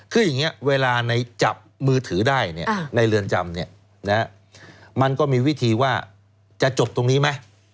คืออย่างนี้เวลาในจับมือถือได้ในเรือนจำมันก็มีวิธีว่าจะจบตรงนี้ไหม